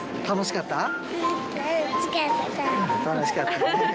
楽しかった。